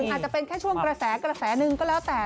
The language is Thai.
อาจจะเป็นแค่ช่วงกระแสกระแสหนึ่งก็แล้วแต่